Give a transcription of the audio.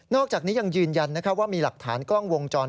อกจากนี้ยังยืนยันว่ามีหลักฐานกล้องวงจร